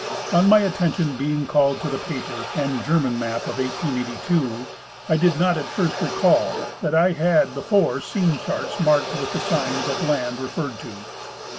On m}^ attention being called to the paper and German map of 1882, I did not at first recall that I had before seen charts marked with the signs of land referred to.